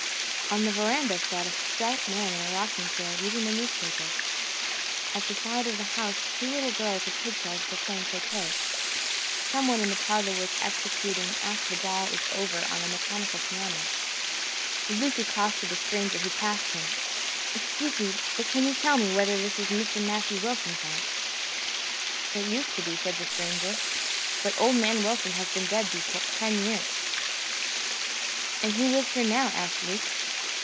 On the veranda sat a stout man in a rocking chair, reading the newspaper. At the side of the house two little girls with pig tails were playing croquet. Some one in the parlour was executing "After the Ball is Over" on a mechanical piano. Luke accosted a stranger who passed him. "Excuse me, but can you tell me whether this is Mr. Matthew Wilson's house?" "It used to be," said the stranger, "but old man Wilson has been dead these ten years." "And who lives here now?" asked Luke.